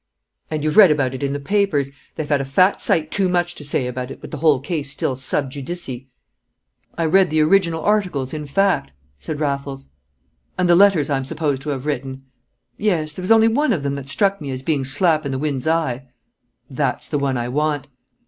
"And you've read about it in the papers; they've had a fat sight too much to say about it, with the whole case still sub judice." "I read the original articles in Fact" said Raffles. "And the letters I'm supposed to have written?" "Yes; there was only one of them that struck me as being slap in the wind's eye." "That's the one I want."